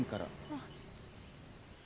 あっ。